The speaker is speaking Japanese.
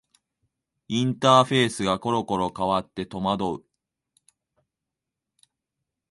インターフェースがころころ変わって戸惑う